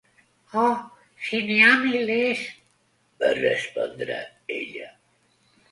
"Oh, sí, n'hi ha milers", va respondre ella.